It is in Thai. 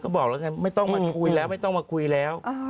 บอกแล้วกันไม่ต้องมาคุยแล้วไม่ต้องมาคุยแล้ว